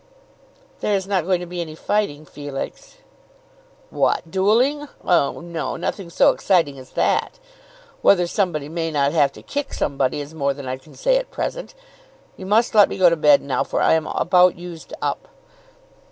"There is not going to be any fighting, Felix?" "What, duelling; oh no, nothing so exciting as that. Whether somebody may not have to kick somebody is more than I can say at present. You must let me go to bed now, for I am about used up."